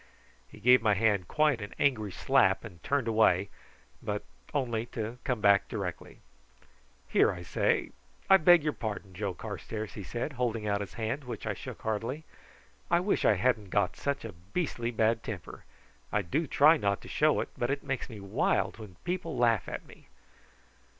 He gave my hand quite an angry slap and turned away, but only to come back directly. "Here, I say; I beg your pardon, Joe Carstairs," he said, holding out his hand, which I shook heartily. "I wish I hadn't got such a beastly bad temper. I do try not to show it, but it makes me wild when people laugh at me."